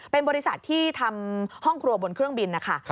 เป็นบริษัทที่ทำห้องครัวบนเครื่องบินนะคะ